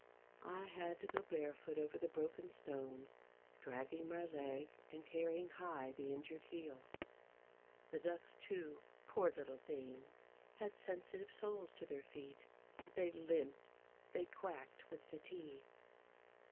I had to go barefoot over the broken stones, dragging my leg and carrying high the injured heel. The ducks, too, poor little things, had sensitive soles to their feet; they limped, they quacked with fatigue.